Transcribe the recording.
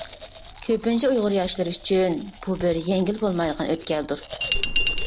كۆپىنچە ئۇيغۇر ياشلىرى ئۈچۈن بۇ بىر يەڭگىلى بولمايدىغان ئۆتكەلدۇر.